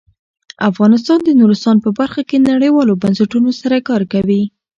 افغانستان د نورستان په برخه کې نړیوالو بنسټونو سره کار کوي.